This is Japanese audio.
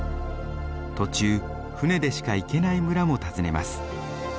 途中船でしか行けない村も訪ねます。